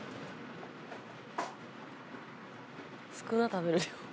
少なっ食べる量。